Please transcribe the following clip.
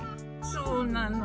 そうなの。